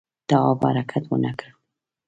تواب حرکت ونه کړ.